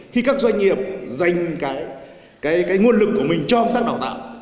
khi các doanh nghiệp dành nguồn lực của mình cho các doanh nghiệp